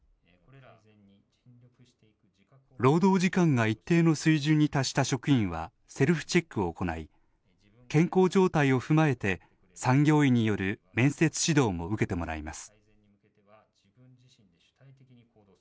労働時間が一定の水準に達した職員は、セルフチェックを行い健康状態を踏まえて産業医による面接指導も受けてもらいます。